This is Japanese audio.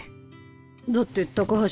だって高橋